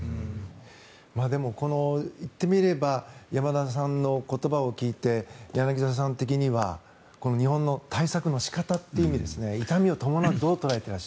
でも、言ってみれば山田さんの言葉を聞いて柳澤さん的には日本の対策の仕方という意味で痛みを伴うどう捉えていますか？